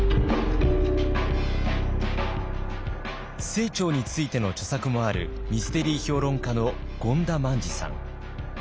清張についての著作もあるミステリー評論家の権田萬治さん。